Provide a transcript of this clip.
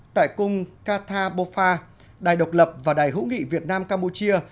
tài cung kata bofa đài độc lập và đài hữu nghị việt nam campuchia